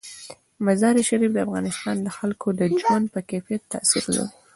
مزارشریف د افغانستان د خلکو د ژوند په کیفیت تاثیر لري.